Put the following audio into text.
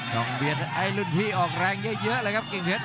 เบียดไอ้รุ่นพี่ออกแรงเยอะเลยครับกิ่งเพชร